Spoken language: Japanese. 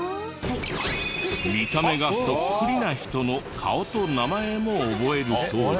見た目がそっくりな人の顔と名前も覚えるそうで。